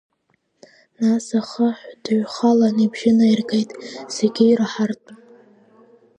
Нас ахаҳә дыҩхалан ибжьы наиргеит зегьы ираҳартә…